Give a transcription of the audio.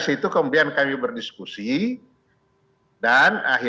ketika kita mulai menunjukkan things like these